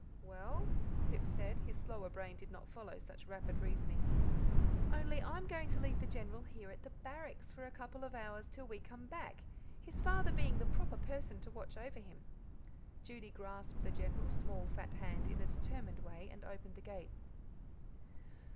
"Well?" Pip said; his slower brain did not follow such rapid reasoning. "Only I'm going to leave the General here at the Barracks for a couple of hours till we come back, his father being the proper person to watch over him." Judy grasped the General's small. fat hand in a determined way, and opened the gate.